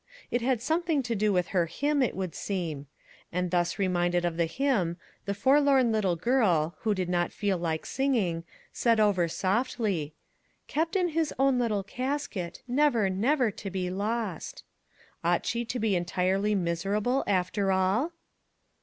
It had something to do with her hymn, it would seem. And thus reminded of the hymn, the forlorn little girl, who did not feel like singing, said over softly :" Kept in his own royal casket, Never, never to be lost !" Ought she to be entirely miserable, after all